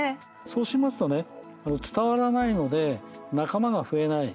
そうしますとね伝わらないので仲間が増えない